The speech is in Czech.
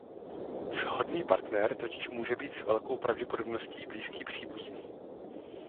Shodný partner totiž může být s velkou pravděpodobností blízký příbuzný.